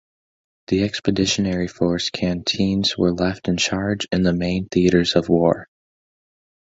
The Expeditionary Force Canteens were left in charge in the main theatres of war.